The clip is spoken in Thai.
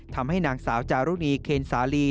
ทำให้นางสาวจารุณีเคนสาลี